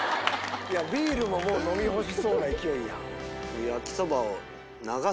ビールももう飲み干しそうな勢いやん。